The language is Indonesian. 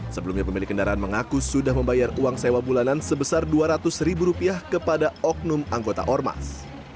sebelumnya pemilik kendaraan mengaku sudah membayar uang sewa bulanan sebesar dua ratus ribu rupiah kepada oknum anggota ormas